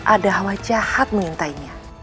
ada hawa jahat mengintainya